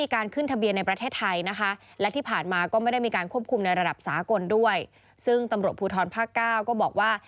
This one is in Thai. ก็จะมีการควบคุมในระดับสากลด้วยซึ่งตำรวจภูทรภาค๙ก็บอกว่า